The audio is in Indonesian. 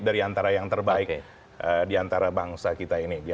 dari antara yang terbaik diantara bangsa kita ini